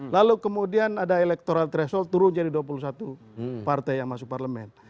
lalu kemudian ada electoral threshold turun jadi dua puluh satu partai yang masuk parlemen